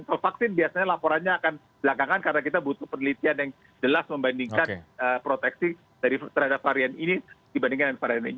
kalau vaksin biasanya laporannya akan belakangan karena kita butuh penelitian yang jelas membandingkan proteksi terhadap varian ini dibandingkan dengan varian ini